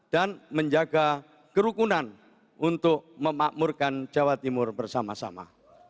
dan menjaga kerukunan untuk memakmurkan jawa timur bersama sama